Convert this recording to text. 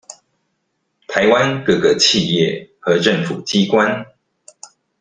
台灣各個企業和政府機關